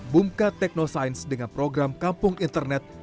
bumka teknosains dengan program kampung internet